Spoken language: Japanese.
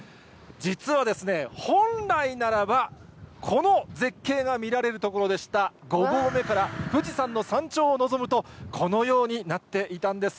実はですね、本来ならばこの絶景が見られるところでした、５合目から富士山の山頂を望むと、このようになっていたんです。